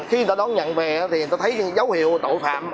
khi người ta đón nhận về thì người ta thấy những dấu hiệu tội phạm